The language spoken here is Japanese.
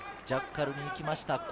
ジャッカルに行きました。